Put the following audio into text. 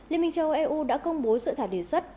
liên minh châu âu eu đã công bố dự thả điều xuất